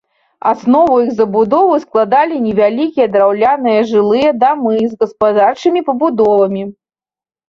Аснову іх забудовы складалі невялікія драўляныя жылыя дамы з гаспадарчымі пабудовамі.